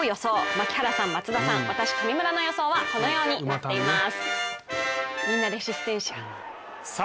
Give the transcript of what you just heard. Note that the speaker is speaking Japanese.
槙原さん、松田さん、私・上村の予想はこのようになっています。